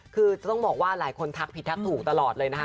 คือต้องบอกว่าหลายคนทักผิดทักถูกตลอดเลยนะคะ